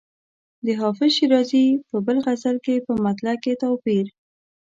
د حافظ شیرازي په بل غزل کې په مطلع کې توپیر.